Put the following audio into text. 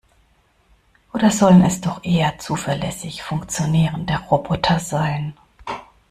Oder sollen es doch eher zuverlässig funktionierende Roboter sein?